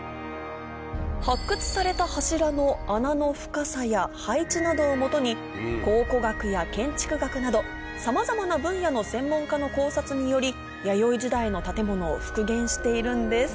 発掘された柱の穴の深さや配置などをもとに考古学や建築学などさまざまな分野の専門家の考察により弥生時代の建物を復元しているんです